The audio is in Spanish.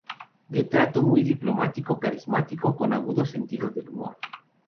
De trato muy diplomático, carismático con agudo sentido del humor.